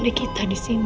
ada kita disini